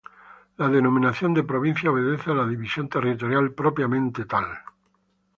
La denominación de provincia obedece a la división territorial propiamente tal.